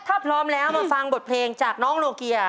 ถ้าพร้อมแล้วมาฟังบทเพลงจากน้องโลเกีย